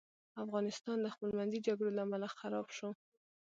افغانستان د خپل منځي جګړو له امله خراب سو.